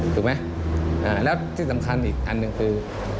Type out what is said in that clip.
ถูกไหมแล้วที่สำคัญอีกอันหนึ่งคือ